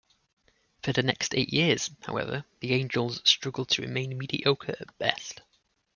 For the next eight years, however, the Angels struggled to remain mediocre at best.